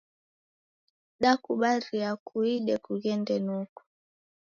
Dakubaria kuide kughende noko.